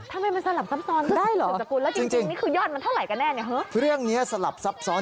ทำไมมันสลับซับซ้อน